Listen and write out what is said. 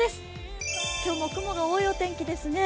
今日も雲が多いお天気ですね。